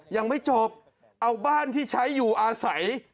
ยังไม่จบเอาบ้านที่ใช้อยู่อาศัย